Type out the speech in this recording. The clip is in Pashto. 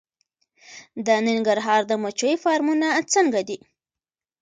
د ننګرهار د مچیو فارمونه څنګه دي؟